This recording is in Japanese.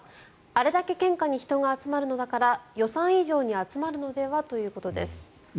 あれだけ献花に人が集まるのだから予算以上に集まるのでは？ということです。